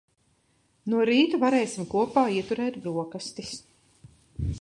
No rīta varēsim kopā ieturēt broksastis.